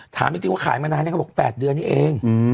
ถามจริงว่าขายมานานยังเขาบอก๘เดือนนี้เอง